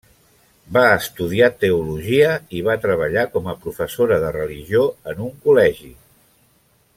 Va estudiar teologia i va treballar com a professora de religió en un col·legi.